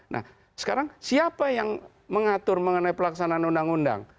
nah sekarang siapa yang mengatur mengenai pelaksanaan undang undang